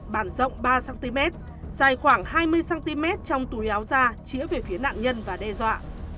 bàn rộng ba cm dài khoảng hai mươi cm trong túi áo da chĩa về phía nạn nhân và đe dọa